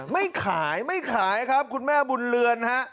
ไม่ขายไม่ขายครับคุณแม่บุญเรือนฮะ